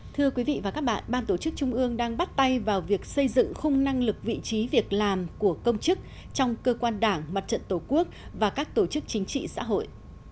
thưa quý vị và các bạn ban tổ chức trung ương đang bắt tay vào việc xây dựng khung năng lực vị trí việc làm của công chức trong cơ quan đảng mặt trận tổ quốc và các tổ chức chính trị xã hội